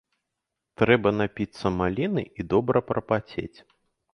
Трэба напіцца маліны і добра прапацець.